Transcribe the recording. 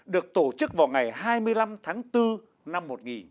được tổ chức vào ngày hai mươi năm tháng bốn năm một nghìn chín trăm bảy mươi năm